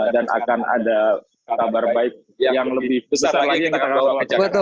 dan akan ada kabar baik yang lebih besar lagi yang kita bawa wajar